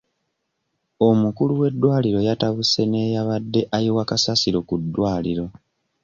Omukulu w'eddwaliro yatabuse n'eyabadde ayiwa kasasiro ku ddwaliro.